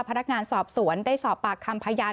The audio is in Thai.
พนักงานสอบสวนได้สอบปากคำพยาน